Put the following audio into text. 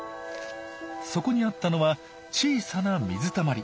そこにあったのは小さな水たまり。